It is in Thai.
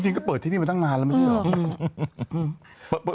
ก็เปิดที่นี่มาตั้งนานแล้วไม่ใช่เหรอ